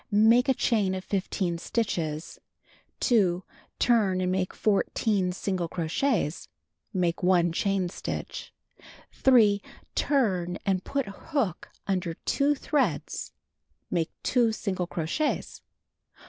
Make a chain of 15 stitches. 2. Turn and make 14 single crochets. Make 1 chain stitch. 3. Turn, and putting hook under two threads, make 2 single crochets.